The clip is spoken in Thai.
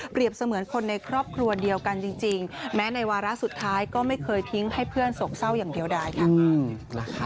เสมือนคนในครอบครัวเดียวกันจริงแม้ในวาระสุดท้ายก็ไม่เคยทิ้งให้เพื่อนโศกเศร้าอย่างเดียวได้ค่ะ